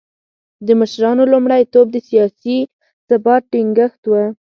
د مشرانو لومړیتوب د سیاسي ثبات ټینګښت و.